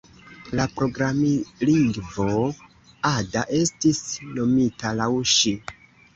La programlingvo Ada estis nomita laŭ ŝi.